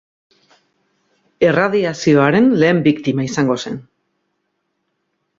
Erradiazioaren lehen biktima izango zen.